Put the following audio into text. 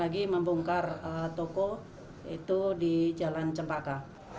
lagi membongkar toko itu di jalan cempaka